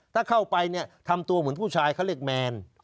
ถ้าเข้าไปเนี่ยทำตัวเหมือนผู้ชายเขาเรียกแมน